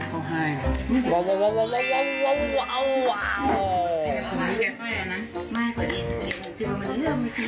เข้าไหวแล้วนะให้เห็นว่ามันขึ้นเลย